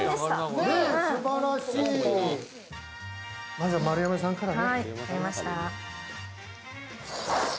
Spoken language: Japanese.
まずは丸山さんからね。